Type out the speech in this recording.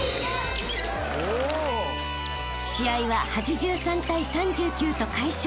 ［試合は８３対３９と快勝］